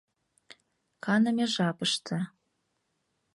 Каныме жапыште...